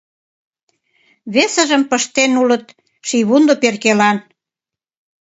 Весыжым пыштен улыт шийвундо перкелан.